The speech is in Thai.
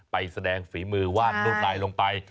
ไปแสดงฝีมือวาดลวดลายลงไป